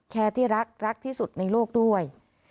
แคร์ที่รักรักที่สุดในโลกด้วย